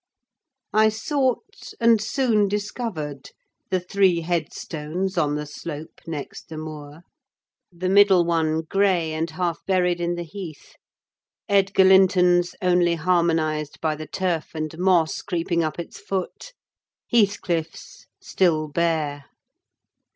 I sought, and soon discovered, the three headstones on the slope next the moor: the middle one grey, and half buried in heath; Edgar Linton's only harmonized by the turf and moss creeping up its foot; Heathcliff's still bare.